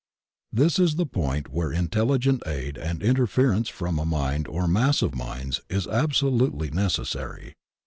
This is the point where intelligent aid and interfer ence from a mind or mass of minds is absolutely nec essary.